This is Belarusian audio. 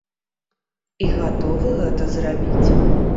І гатовы гэта зрабіць.